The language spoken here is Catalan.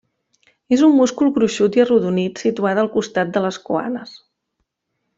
És un múscul gruixut i arrodonit situat al costat de les coanes.